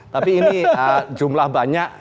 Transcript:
tapi ini jumlah banyak